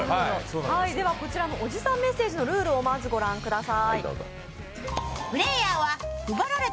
こちらの「オジサンメッセージ」のルールをご覧ください。